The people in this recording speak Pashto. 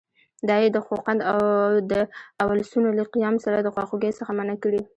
دا یې د خوقند د اولسونو له قیام سره د خواخوږۍ څخه منع کړي.